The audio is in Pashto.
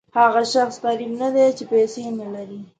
هغه شخص غریب نه دی چې پیسې نه لري.